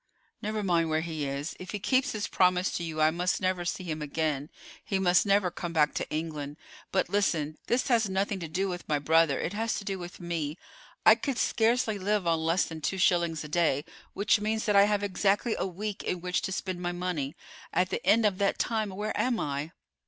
"Never mind where he is. If he keeps his promise to you I must never see him again; he must never come back to England. But listen; this has nothing to do with my brother—it has to do with me. I could scarcely live on less than two shillings a day, which means that I have exactly a week in which to spend my money. At the end of that time where am I?"